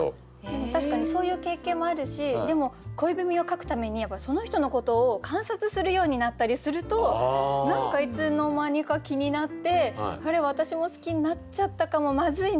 でも確かにそういう経験もあるしでも恋文を書くためにやっぱりその人のことを観察するようになったりすると何かいつの間にか気になって「あれ？私も好きになっちゃったかもまずいな」って。